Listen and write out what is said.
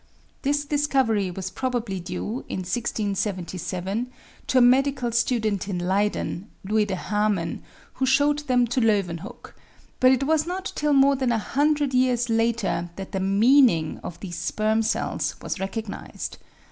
This discovery was probably due (1677) to a medical student in Leyden, Louis de Hamen, who showed them to Leeuwenhoek, but it was not till more than a hundred years later that the meaning of these sperm cells was recognised.